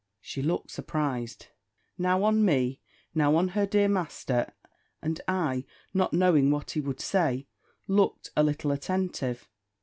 She looked surprised now on me, now on her dear master; and I, not knowing what he would say, looked a little attentive.